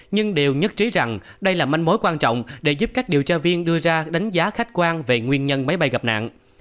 nhưng đều nhất trí rằng đây là manh mối quan trọng để giúp các điều tra viên đưa ra đánh giá khách quan về nguyên nhân máy bay gặp nạn